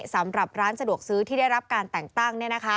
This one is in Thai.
สำหรับร้านสะดวกซื้อที่ได้รับการแต่งตั้ง